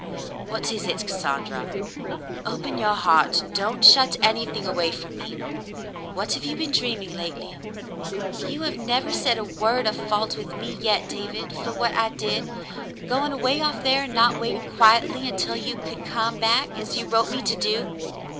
"What is it, Cassandra? Open your heart. Don't shut anything away from me. What have you been dreaming lately .f^" "You have never said a word of fault with me yet, David — for what I did, going away off there and not waiting quietly until you could come back, as you wrote me to do."